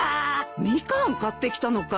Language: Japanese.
ミカン買ってきたのかい。